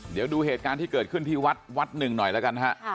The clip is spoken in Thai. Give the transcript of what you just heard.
เดี๋ยวดูเหตุการณ์ที่เกิดขึ้นที่วัดวัดหนึ่งหน่อยแล้วกันฮะ